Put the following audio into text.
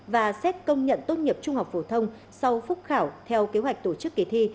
và xét công nhận tốt nghiệp trung học phổ thông sau phúc khảo theo kế hoạch tổ chức kỳ thi